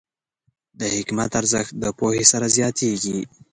د حکمت ارزښت د پوهې سره زیاتېږي.